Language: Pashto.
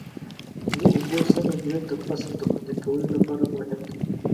د اوبو سم مدیریت د فصل د خوندي کولو لپاره مهم دی.